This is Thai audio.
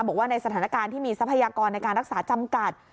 บอกว่าในสถานการณ์ที่มีทรัพยากรในการรักษาจำกัด